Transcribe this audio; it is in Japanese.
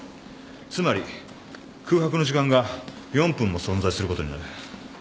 つまり空白の時間が４分も存在することになる。